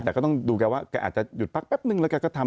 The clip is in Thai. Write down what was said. แต่ก็ต้องดูแกว่าแกอาจจะหยุดพักแป๊บนึงแล้วแกก็ทำ